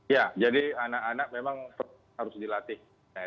ya jadi anak anak memang harus dilatih